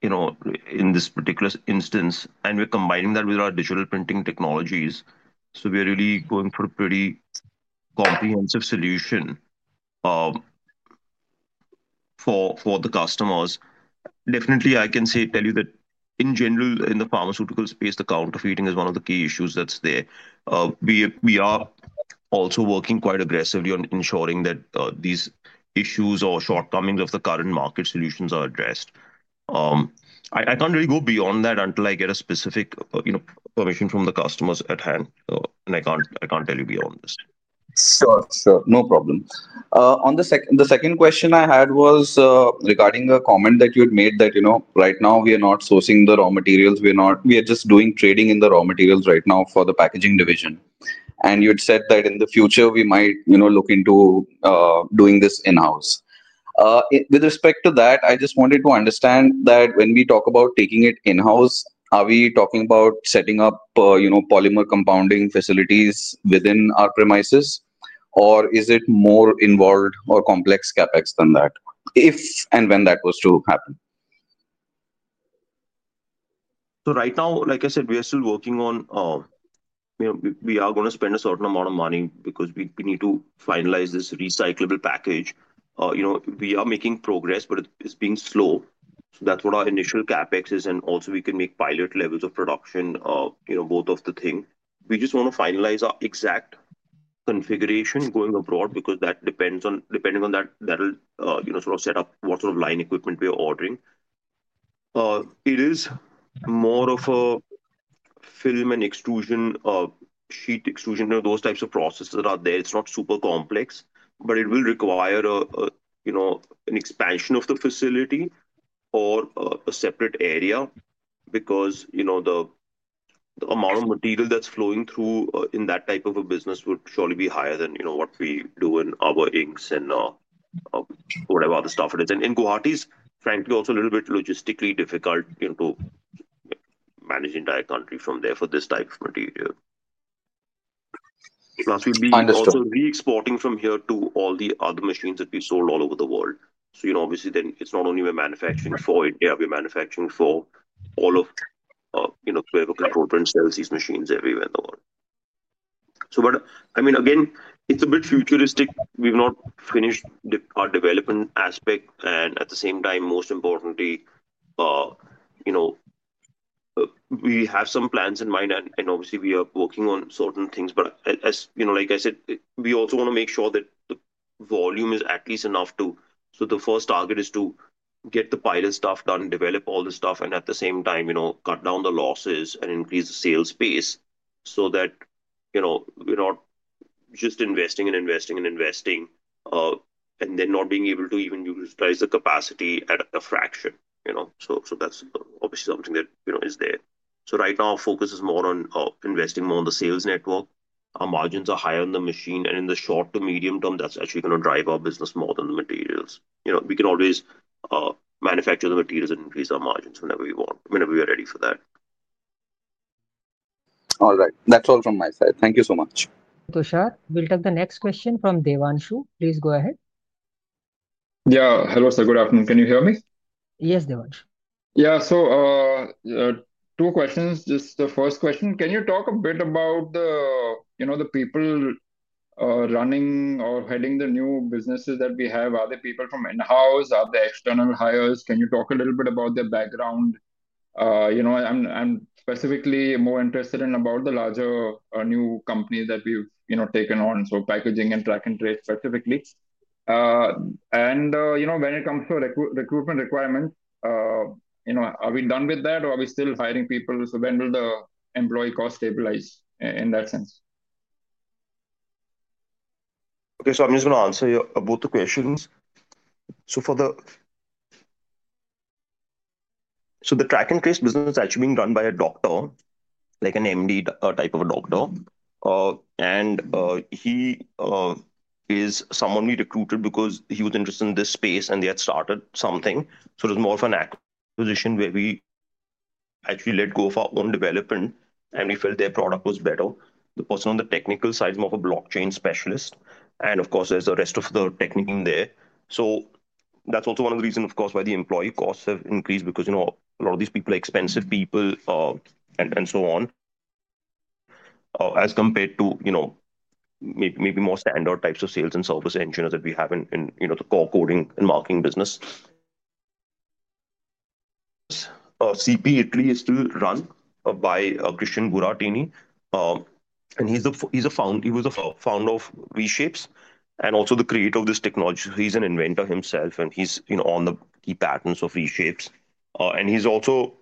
in this particular instance and we're combining that with our digital printing technologies. We're really going for a pretty comprehensive solution for the customers. Definitely, I can tell you that in general in the pharmaceutical space, counterfeiting is one of the key issues that's there. We are also working quite aggressively on ensuring that these issues or shortcomings of the current market solutions are addressed. I can't really go beyond that until I get a specific permission from the customers at hand. I can't tell you beyond this. Sure, no problem. The second question I had was regarding a comment that you had made that, you know, right now we are not sourcing the raw materials. We're not. We are just doing trading in the raw materials right now for the packaging division. You'd said that in the future we might, you know, look into doing this in house. With respect to that, I just wanted to understand that when we talk about taking it in house, are we talking about setting up, you know, polymer compounding facilities within our premises, or is it more involved, more complex CapEx than that if and when that was to happen? Right now, like I said, we are still working on, we are going to spend a certain amount of money because we need to finalize this recyclable package. We are making progress, but it's being slow. That's what our initial CapEx is. Also, we can make pilot levels of production, both of the things. We just want to finalize our exact configuration going abroad because that depends on, depending on that, that'll sort of set up what sort of line equipment we are ordering. It is more of a film and sheet extrusion, those types of processes that are there. It's not super complex, but it will require an expansion of the facility or a separate area because the amount of material that's flowing through in that type of a business would surely be higher than what we do in our inks and whatever other stuff it is. Guwahati is frankly also a little bit logistically difficult to manage the entire country from there for this type of material. Plus, we'll be re-exporting from here to all the other machines that we sold all over the world. Obviously, then it's not only we're manufacturing for it. We're manufacturing for all of Control Print services machines everywhere in the world. I mean, again, it's a bit futuristic. We've not finished our development aspect and at the same time, most importantly, we have some plans in mind and obviously we are working on certain things, but as you know, like I said, we also want to make sure that the volume is at least enough to. The first target is to get the pilot stuff done, develop all this stuff and at the same time, cut down the losses and increase the sales pace so that we're not just investing and investing and investing and then not being able to even utilize the capacity at a fraction. That's obviously something that is there. Right now our focus is more on investing more on the sales network. Our margins are higher in the machine and in the short to medium term, that's actually going to drive our business more than the materials. We can always manufacture the materials and increase our margins whenever we want, whenever we are ready for that. All right, that's all from my side. Thank you so much, Tushar. We'll take the next question from Devanshu. Please go ahead. Yeah, hello, sir, good afternoon. Can you hear me? Yes, Devansh. Yeah. Two questions. Just the first question. Can you talk a bit about the people running or heading the new businesses that we have? Are the people from in house, are they external hires? Can you talk a little bit about their background? I'm specifically more interested in the larger new companies that we have taken on, so packaging and track and trace specifically. When it comes to recruitment requirements, are we done with that or are we still hiring people? When will the employee cost stabilize in that sense? Okay, so I'm just going to answer both the questions. For the track and trace business, it is actually being run by a doctor, like an M.D. type of a doctor. He is someone we recruited because he was interested in this space and they had started something. It was more of an acquisition where we actually let go of our own development and we felt their product was better. The person on the technical side is more of a blockchain specialist and of course there's the rest of the technical team in there. That's also one of the reasons why the employee costs have increased because, you know, a lot of these people, expensive people and so on, as compared to maybe more standard types of sales and service engineers that we have in the core coding and marking business. CP Italy is still run by Christian Buratini and he's a founder. He was a founder of V-Shapes and also the creator of this technology. He's an inventor himself and he's on the key patents of V-Shapes and he's also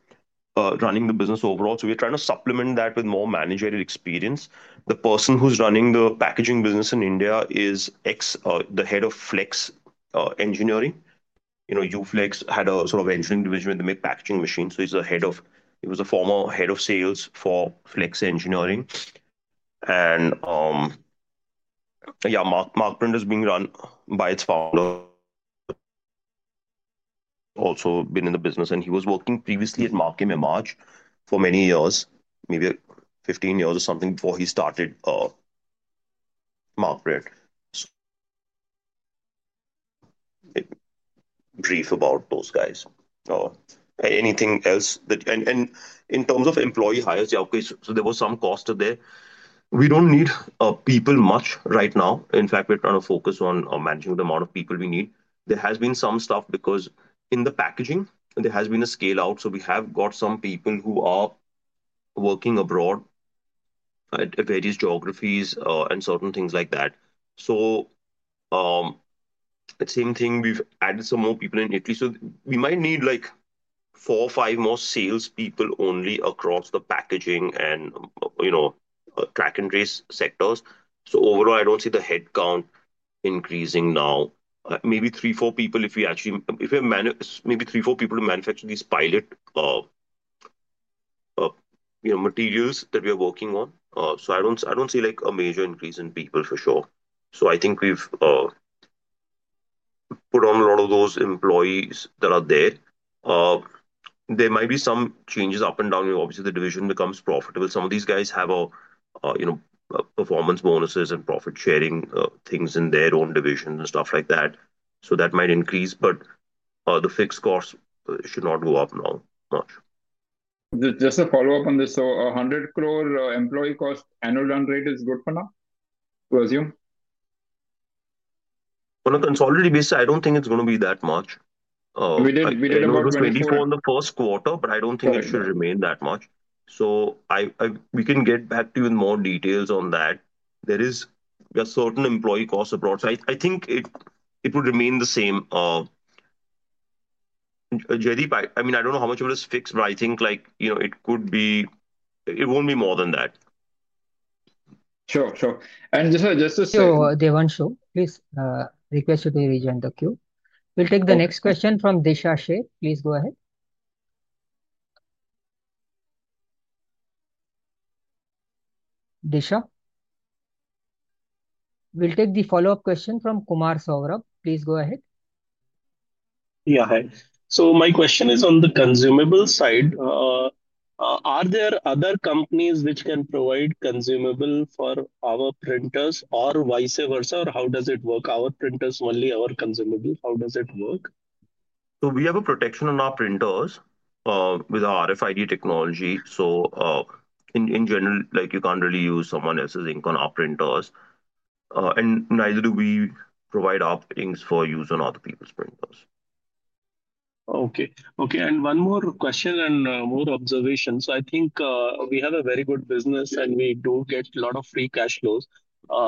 running the business overall. We're trying to supplement that with more managerial experience. The person who's running the packaging business in India is ex-head of Flex Engineering. U Flex had a sort of engineering division with the [McPacking] machine. He was a former head of sales for Flex Engineering. Markprint is being run by its founder, also been in the business, and he was working previously at Markem-Imaje for many years, maybe 15 years or something before he started Markprint. In terms of employee hires, there was some cost there. We don't need people much right now. In fact, we're trying to focus on managing the amount of people we need. There has been some staff because in the packaging there has been a scale out. We have got some people who are working abroad, various geographies and certain things like that. It's interesting we've added some more people in Italy so we might need like four or five more sales people only across the packaging and track and trace sectors. Overall, I don't see the head count increasing now. Maybe three, four people if we actually, maybe three, four people to manufacture these pilot materials that we are working on. I don't see a major increase in people for sure. I think we've put on a lot of those employees that are there. There might be some changes up and down. Obviously, the division becomes profitable. Some of these guys have, you know, performance bonuses and profit sharing things in their own division and stuff like that. That might increase, but the fixed cost should not go up long much. Just a follow-up on this. 100 crore employee cost annual run rate is good for now to assume. Consolidated. I don't think it's going to be that much in the first quarter, but I don't think it should remain that much. We can get back to even more details on that. There is a certain employee cost abroad, so I think it would remain the same. Jaideep. I mean, I don't know how much of it is fixed, but I think it could be it won't be more than that. Sure, sure. Devan, please request you to rejoin the queue. We'll take the next question from Disha Sheikh. Please go ahead, Disha. We'll take the follow-up question from [Kumar Saurabh]. Please go ahead. Yeah, my question is on the. consumable side, are there other companies which can provide consumables for our printers or vice versa, or how does it work? Our printers, only our consumables? How does it work? We have a protection on our printers with our RFID technology. In general, you can't really use someone else's ink on our printers, and neither do we provide our inks for use on other people's printers. Okay. One more question and more observations. I think we have a very good business and we do get a lot of free cash flows.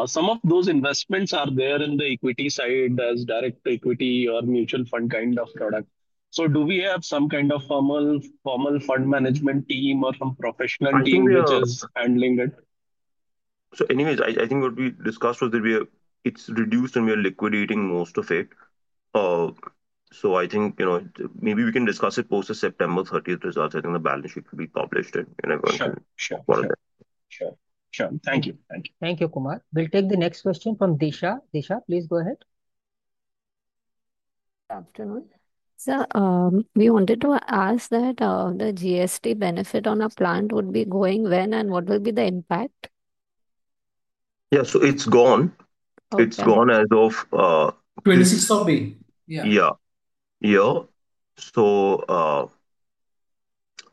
Some of those investments are there in the equity side as direct equity or mutual fund kind of product. Do we have some kind of formal fund management team or some professional team which is handling it? I think what we discussed was it's reduced and we are liquidating most of it. I think, you know, maybe we can discuss it post the September 30 results. I think the balance sheet will be published. Sure. Thank you. Thank you, Kumar. We'll take the next question from Disha. Disha, please go ahead. Afternoon, sir. We wanted to ask that the GST benefit on a plant would be going when, and what will be the impact? Yeah, it's gone as of 26th of May.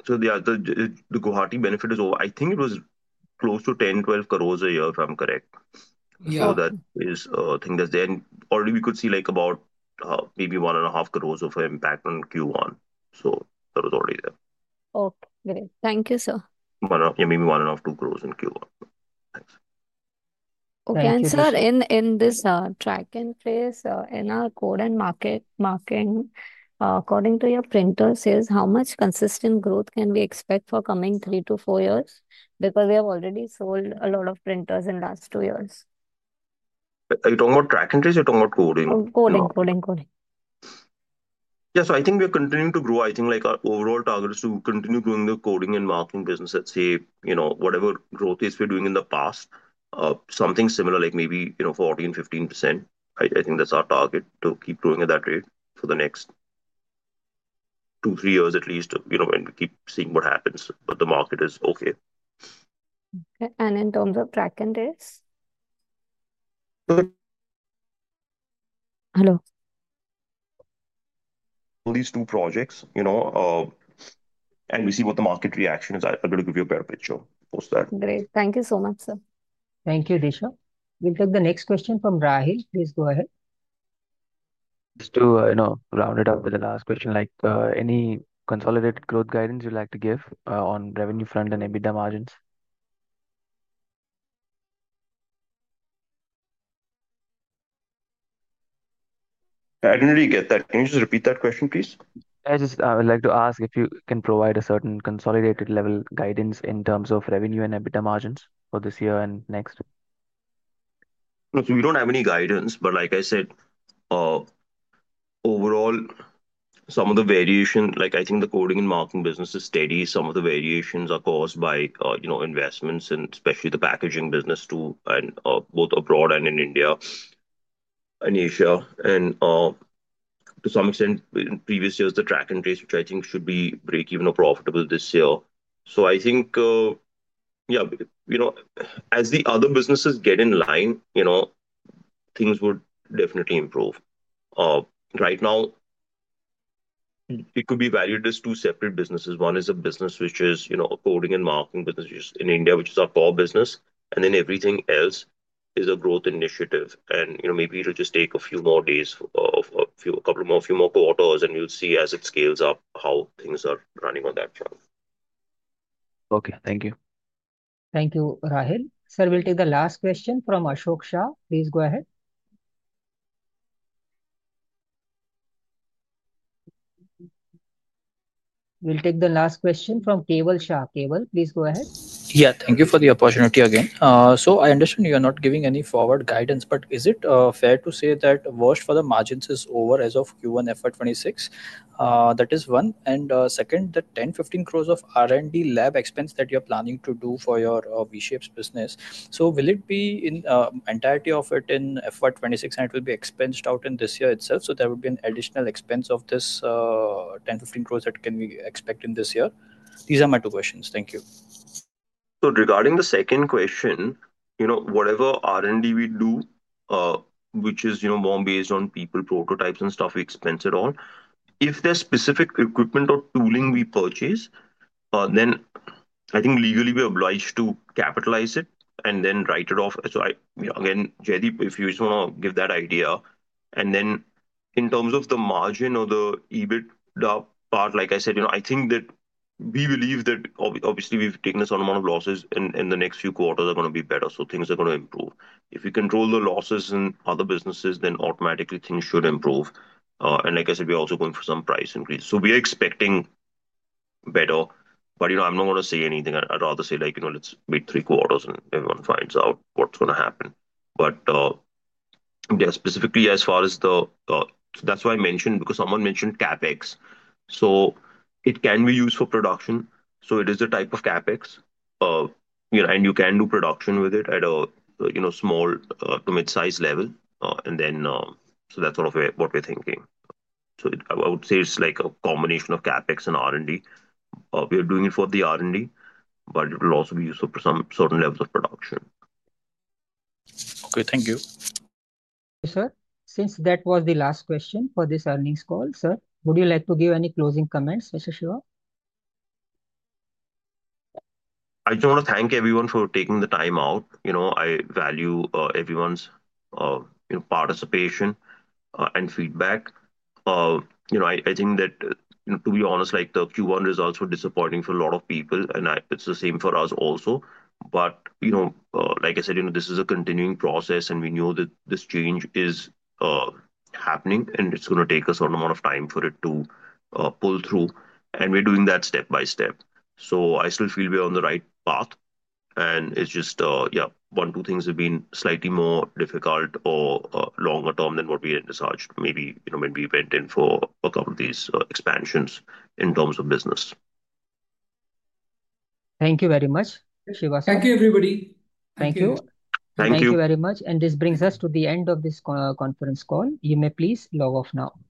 The Guwahati benefit is over. I think it was close to 10 million, 12 million a year, if I'm correct. Yeah. That is a thing that's there already. We could see about 1.5 crore of impact on Q1. That was already there. Okay, great. Thank you, sir. Maybe 1.5, 2 crore in Q1. Thanks. Okay. Sir, in this track and trace in our coding and marking, according to your printers, how much consistent growth can we expect for the coming three to four years? Because we have already sold a lot of printers in the last two years. Are you talking about track and trace? You're talking about coding? Coding. Coding. Coding. Yeah, I think we are continuing to grow. I think our overall target is to continue growing the coding and marking business. Whatever growth we're doing in the past, something similar, like maybe 14%, 15%. I think that's our target to keep growing at that rate for the next two, three years at least, and keep seeing what happens. The market is okay. In terms of track and trace, hello. These two projects, you know, we see what the market reaction is. I'm going to give you a better picture post that. Great. Thank you so much, sir. Thank you, Disha. We'll take the next question from Rahil. Please go ahead. ust to, you know, round it up with the last question. Like any consolidated growth guidance you'd like to give on revenue front and EBITDA margins. I didn't really get that. Can you just repeat that question, please? I would like to ask if you can provide a certain consolidated level guidance in terms of revenue and EBITDA margins for this year and next. We don't have any guidance, but like I said, overall some of the variation, like I think the coding and marking business is steady. Some of the variations are caused by investments, especially the packaging business too. Both abroad and in India, in Asia, and to some extent in previous years, the track and trace increase should be break-even or profitable this year. I think as the other businesses get in line, things would definitely improve. Right now it could be valued as two separate businesses. One is a business which is the coding and marking business in India, which is our core business. Then everything else is a growth initiative, and maybe it'll just take a few more days, a couple more, few more quarters, and you'll see as it scales up how things are running on that channel. Okay, thank you. Thank you. Rahel. Sir, we'll take the last question from Ashok Shah. Please go ahead. We'll take the last question from Keval Shah. Keval, please go ahead. Yeah. Thank you for the opportunity again. I understand you are not giving any forward guidance. Is it fair to say that worst for the margins is over as of Q1, FY 2026, that is one. The 1,015 crores of R&D lab expense that you're planning to do for your V-Shapes business, will it be in entirety of it in FY 2026 and it will be expensed out in this year itself? There would be an additional expense of this 1,015 crores that can we expect in this year. These are my two questions. Thank you. Regarding the second question, whatever R&D we do, which is more based on people, prototypes and stuff, expense it all. If there's specific equipment or tooling we purchase, then I think legally we're obliged to capitalize it and then write it off. Jaydeep, if you just want to give that idea and then in terms of the margin or the EBITDA part, like I said, we believe that obviously we've taken a certain amount of losses and the next few quarters are going to be better. Things are going to improve. If you control the losses in other businesses, then automatically things should improve. Like I said, we're also going for some price increase. We are expecting better. I'm not going to say anything, I'd rather say let's wait three quarters and everyone finds out what's going to happen. Specifically, as far as the, that's why I mentioned, because someone mentioned CapEx. It can be used for production. It is a type of CapEx, and you can do production with it at a small to mid size level. That's sort of what we're thinking. I would say it's like a combination of CapEx and R&D. We are doing it for the R&D, but it will also be used for some certain levels of production. Okay, thank you sir. Since that was the last question for this earnings call, sir, would you like to give any closing comments? Mr. Shiva. I just want to thank everyone for taking the time out. I value everyone's participation and feedback. I think that, to be honest, the Q1 results were disappointing for a lot of people and it's the same for us also. This is a continuing process and we know that this change is happening and it's going to take a certain amount of time for it to pull through. We're doing that step by step. I still feel we're on the right path. It's just, yeah, one or two things have been slightly more difficult or longer term than what we had researched, maybe when we went in for a couple of these expansions in terms of business. Thank you very much. Thank you, everybody. Thank you. Thank you. Thank you very much. This brings us to the end of this conference call. You may please log off now. Thank you.